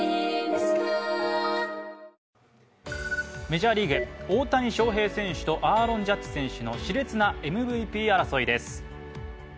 メジャーリーグ、大谷翔平選手とアーロン・ジャッジ選手のしれつなＭＶＰ争いです。